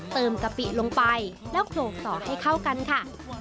กะปิลงไปแล้วโกรกต่อให้เข้ากันค่ะ